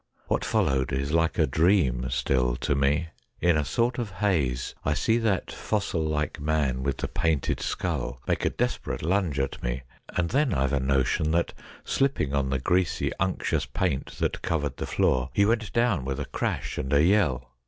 What followed is like a dream still to me. In a sort of haze I see that fossil like man with the painted skull make a desperate lunge at me, and then I've a notion that, slipping on the greasy, unctuous paint that covered the floor, he went down with a crash and a yell.